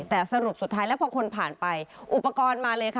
แต่สรุปสุดท้ายแล้วพอคนผ่านไปอุปกรณ์มาเลยค่ะ